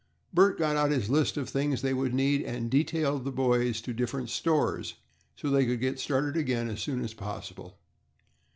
Bert got out his list of the things they would need, and detailed the boys to different stores so that they could get started again as soon as possible.